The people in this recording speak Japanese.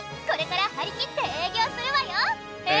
これから張り切って営業するわよっ！